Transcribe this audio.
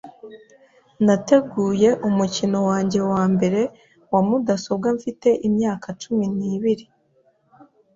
Nateguye umukino wanjye wa mbere wa mudasobwa mfite imyaka cumi n'ibiri .